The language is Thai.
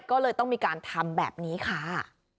ก็เลยต้องมีการทำแบบนี้ค่ะ